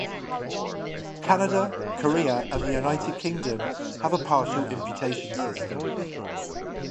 Canada, Korea and the United Kingdom have a partial imputation system.